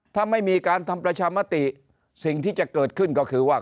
ถ้าไม่มีการทำประชามติสิ่งที่จะเกิดขึ้นก็คือว่า